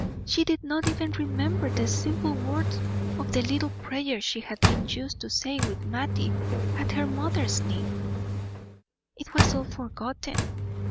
She did not even remember the simple words of the little prayer she had been used to say with Mattie at her mother's knee it was all forgotten.